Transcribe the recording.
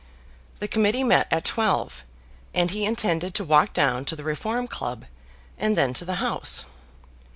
The Committee met at twelve, and he intended to walk down to the Reform Club, and then to the House.